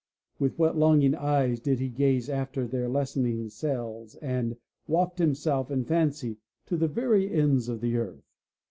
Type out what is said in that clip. With what longing eyes did he gaze after their lessening sails and waft himself in fancy to the very ends of the earth.